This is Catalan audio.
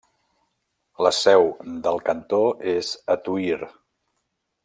La seu del cantó és a Tuïr.